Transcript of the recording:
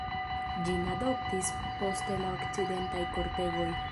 Ĝin adoptis poste la okcidentaj kortegoj.